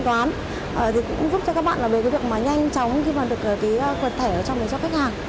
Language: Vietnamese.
cũng giúp cho các bạn việc nhanh chóng khi được quật thẻ cho khách hàng